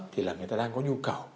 thì là người ta đang có nhu cầu